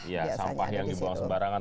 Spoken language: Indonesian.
iya sampah yang dibuang sebarangan